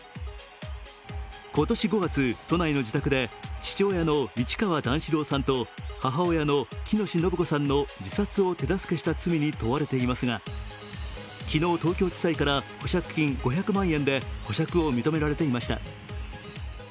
今年５月、都内の自宅で父親の市川段四郎さんと母親の喜熨斗延子さんの自殺を手助けした罪に問われていますが昨日、東京地裁から保釈金５００万円で保釈を認められていました。